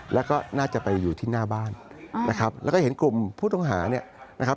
แล้วก็น่าจะไปอยู่ที่หน้าบ้านนะครับแล้วก็เห็นกลุ่มผู้ต้องหาเนี่ยนะครับ